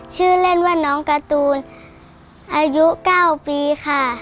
ชื่อเล่นว่าน้องการ์ตูนอายุ๙ปีค่ะ